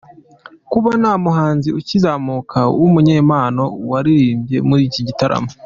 Kuba nta muhanzi ukizamuka w’umunyempano waririmbye muri iki gitaramo